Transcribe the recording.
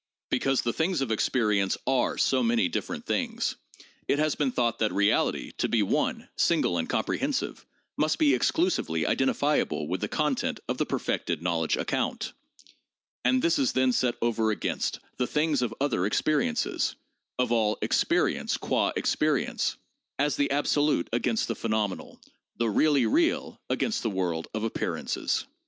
Because the things of experience are so many different things, it has been thought that reality to be one, single and comprehensive, must be exclusively identifiable with the content of the perfected knowledge account; and this is then set over against the things of other experiences (of all experience qua experience), as the absolute against the phenomenal, the really real against the world of ap pearances.